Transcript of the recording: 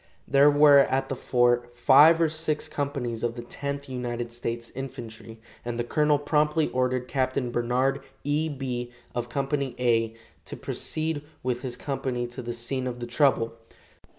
There were at the fort five or six companies of the Tenth United States Infantry, and the colonel promptly ordered Capt. Barnard E. Bee of Company "A" to proceed with his company to the scene of the trouble.